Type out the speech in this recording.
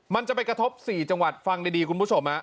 มันจะไปกระทบ๔จังหวัดฟังดีคุณผู้ชม